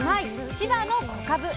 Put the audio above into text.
千葉の「小かぶ」。